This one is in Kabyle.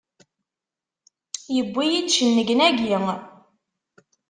Yewwi-yi-d cennegnagi!